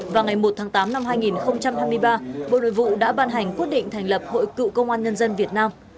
và ngày một tháng tám năm hai nghìn hai mươi ba bộ nội vụ đã ban hành quyết định thành lập hội cựu công an nhân dân việt nam